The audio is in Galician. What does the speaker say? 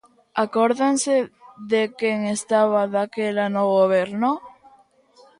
¿Acórdanse de quen estaba daquela no Goberno?